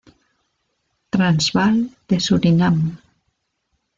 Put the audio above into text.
Transvaal de Surinam.